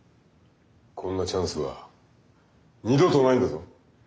こんなチャンスは二度とないんだぞ。